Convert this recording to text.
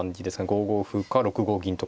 ５五歩か６五銀とか。